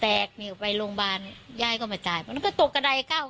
แตกแบบไปโรงพยาบาลยายก็มาจ่ายเป็นก็ตกกระได้๙ขั้น